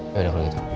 ya udah kalau gitu